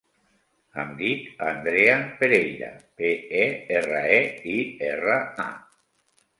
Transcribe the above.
Em dic Andrea Pereira: pe, e, erra, e, i, erra, a.